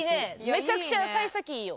めちゃくちゃ幸先いいよ。